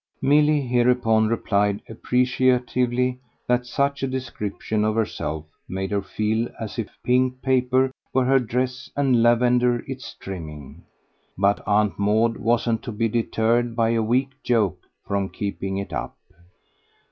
Milly hereupon replied appreciatively that such a description of herself made her feel as if pink paper were her dress and lavender its trimming; but Aunt Maud wasn't to be deterred by a weak joke from keeping it up.